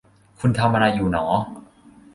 คุณทำอะไรอยู่หนอ ?